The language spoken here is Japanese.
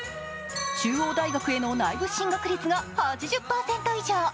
中央大学への内部進学率が８０％以上。